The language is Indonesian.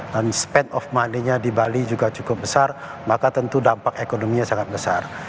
dan spend of money nya di bali juga cukup besar maka tentu dampak ekonominya sangat besar